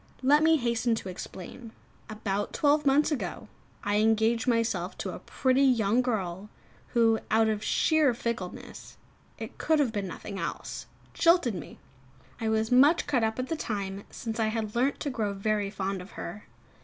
Let me hasten to explain. About twelve months ago I engaged myself to a pretty young girl, who, out of sheer fickleness it could have been nothing else jilted me. I was much cut up at the time, since I had learnt to grow very fond of her.